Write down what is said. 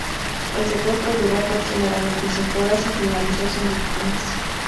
El secuestro duró aproximadamente cinco horas y finalizó sin víctimas.